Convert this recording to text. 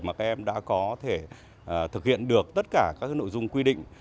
mà các em đã có thể thực hiện được tất cả các nội dung quy định